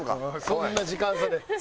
そんな時間差で。